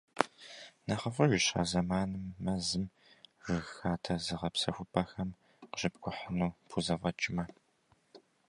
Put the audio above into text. НэхъыфӀыжщ а зэманым мэзым, жыг хадэ зыгъэпсэхупӀэхэм къыщыпкӀухьыну пхузэфӀэкӀмэ.